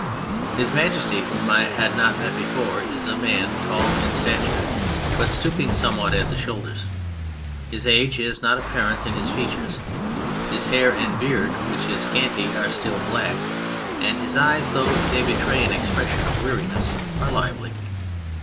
His Majesty, whom I had not met before, is a man tall in stature, but stooping somewhat at the shoulders. His age is not apparent in his features, his hair and beard (which is scanty) are still black, and his eyes, though they betray an expression of weariness, are lively.